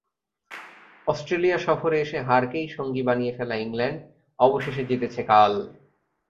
Australia সফরে এসে হারকেই সঙ্গী বানিয়ে ফেলা ইংল্যান্ড অবশেষে জিতেছে কাল।